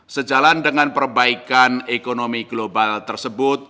sejalan dengan perbaikan ekonomi global tersebut